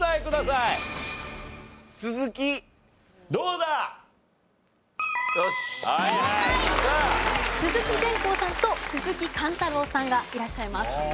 鈴木善幸さんと鈴木貫太郎さんがいらっしゃいます。